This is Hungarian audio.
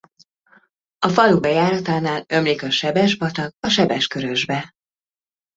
A falu bejáratánál ömlik a Sebes-patak a Sebes-Körösbe.